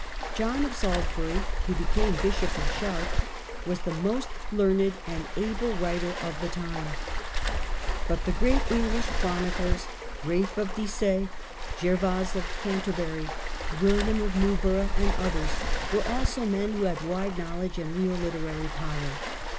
John of Salisbury, who became Bishop of Chartres, was the most learned and able writer of the time; but the great English chroniclers, Ralph of Dissay, Gervase of Canterbury, William of Newburgh, and others, henry's great fame. 37 were also men who had wide knowledge and real literary power.